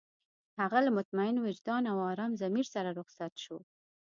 هغه له مطمئن وجدان او ارام ضمير سره رخصت شو.